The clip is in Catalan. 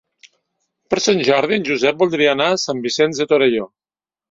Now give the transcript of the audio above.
Per Sant Jordi en Josep voldria anar a Sant Vicenç de Torelló.